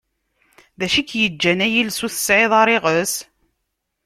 D acu i k-yeǧǧan ay iles ur tesεiḍ ara iɣes?